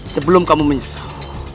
sebelum kamu menyesal